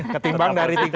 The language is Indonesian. ketimbang dari tiga